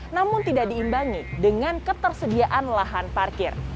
namun tidak diimbangi dengan ketersediaan lahan parkir